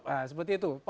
nah seperti itu